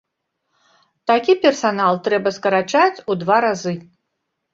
Такі персанал трэба скарачаць у два разы.